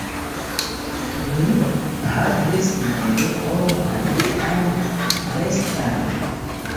Mi havis nenion alian restan.